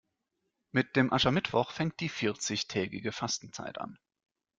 Mit dem Aschermittwoch fängt die vierzigtägige Fastenzeit an.